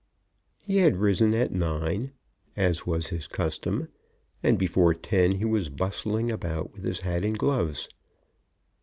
He had risen at nine, as was his custom, and before ten he was bustling about with his hat and gloves.